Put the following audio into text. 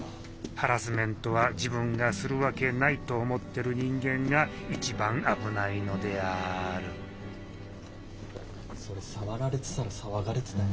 ハラスメントは自分がするわけないと思ってる人間が一番危ないのであるそれ触られたら騒がれてたよ。